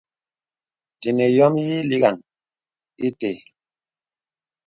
Tənə yɔ̄m yì lìkgaŋ ìtə.